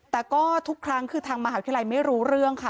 แต่ก็ทุกครั้งคือทางมหาวิทยาลัยไม่รู้เรื่องค่ะ